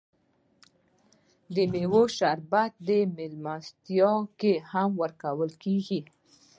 د میوو شربت په میلمستیا کې ورکول کیږي.